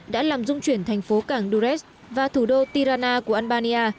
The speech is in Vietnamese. đã làm dung chuyển thành phố cảng duet và thủ đô tirana của albania